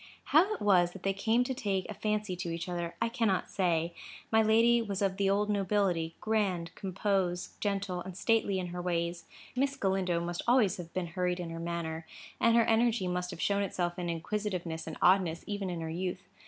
How it was that they came to take a fancy to each other, I cannot say. My lady was of the old nobility,—grand, compose, gentle, and stately in her ways. Miss Galindo must always have been hurried in her manner, and her energy must have shown itself in inquisitiveness and oddness even in her youth.